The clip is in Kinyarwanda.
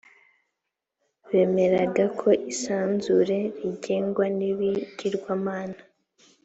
bemeraga ko isanzure rigengwa n ibigirwamana